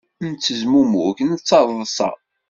Nettezmumug nettaḍsa.